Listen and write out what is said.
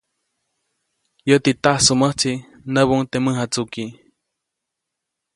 Yäti, tajsuʼmäjtsi, nyäbuʼuŋ teʼ mäjatsuki.